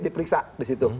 diperiksa di situ